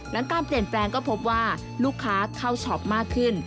การเปลี่ยนแปลงก็พบว่าลูกค้าเข้าช็อปมากขึ้น